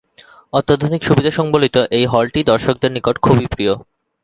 অত্যাধুনিক সুবিধা সংবলিত এই হলটি দর্শকদের নিকট খুবই প্রিয়।